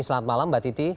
selamat malam mbak titi